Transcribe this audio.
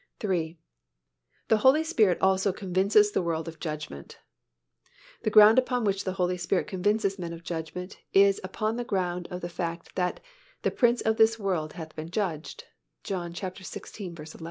The Holy Spirit also convicts the world of judgment. The ground upon which the Holy Spirit convinces men of judgment is upon the ground of the fact that "the Prince of this world hath been judged" (John xvi. 11).